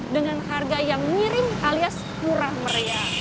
dengan harga yang miring alias murah meriah